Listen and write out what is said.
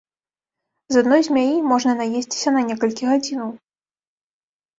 З адной змяі можна наесціся на некалькі гадзінаў!